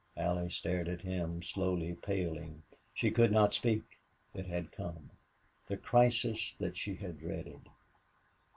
Allie stared at him, slowly paling. She could not speak. It had come the crisis that she had dreaded.